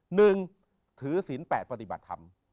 หนึ่งถือศีลแปดปฏิบัติธรรม